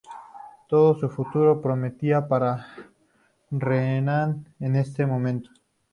Todo su futuro prometía para Renan en ese momento.